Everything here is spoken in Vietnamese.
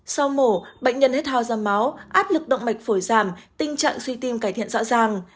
sau mổ bệnh nhân hết thao ra máu áp lực động mạch phổi giảm tình trạng suy tim cải thiện rõ ràng